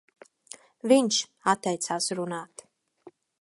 Viņš atteicās runāt.